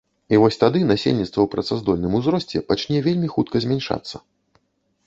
І вось тады насельніцтва ў працаздольным узросце пачне вельмі хутка змяншацца.